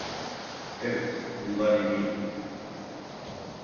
Evet, bundan eminim.